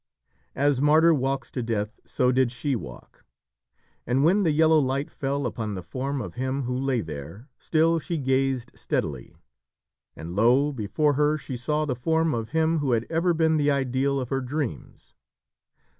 As a martyr walks to death, so did she walk. And when the yellow light fell upon the form of him who lay there, still she gazed steadily. And, lo, before her she saw the form of him who had ever been the ideal of her dreams.